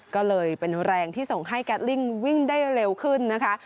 ก็เลยเป็นแรงที่ส่งให้แก๊ลิ่งวิ่งได้เร็วขึ้นนะคะ